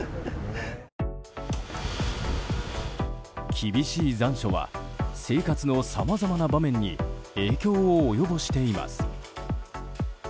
厳しい残暑は生活のさまざまな場面に影響を及ぼしています。